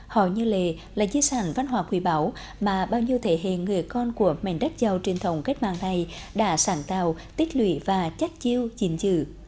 họ như lệ là dưới sản văn hóa quỷ bảo mà bao nhiêu thể hệ người con của mảnh đất giàu truyền thống cách mạng này đã sản tạo tích lụy và chắc chiêu dình dự